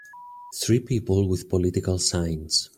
Three people with political signs.